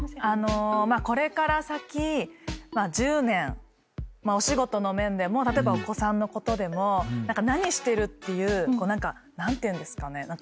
あのこれから先１０年お仕事の面でも例えばお子さんのことでも何してるっていう何ていうんですかね？